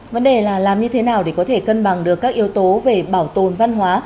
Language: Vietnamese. vấn đề là làm như thế nào để cân bằng được các yếu tố về bảo tồn văn hóa